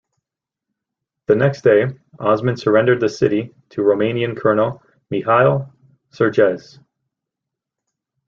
The next day, Osman surrendered the city to Romanian colonel Mihail Cerchez.